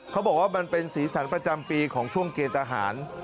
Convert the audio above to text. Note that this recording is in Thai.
เขาบอกว่ามันเป็นสีสันประจำปีของช่วงเกณฑ์ทหาร